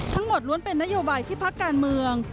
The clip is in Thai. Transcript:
ล้วนเป็นนโยบายที่พักการเมือง